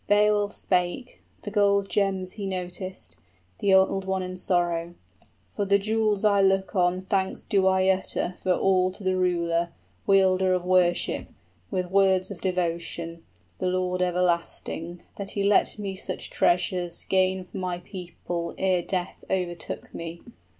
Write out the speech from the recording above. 40 Beowulf spake (the gold gems he noticed), {Beowulf is rejoiced to see the jewels.} The old one in sorrow: "For the jewels I look on Thanks do I utter for all to the Ruler, Wielder of Worship, with words of devotion, The Lord everlasting, that He let me such treasures 45 Gain for my people ere death overtook me.